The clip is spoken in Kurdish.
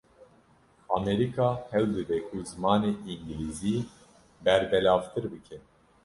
Amerîka hewl dide ku zimanê îngilîzî berbelavtir bike.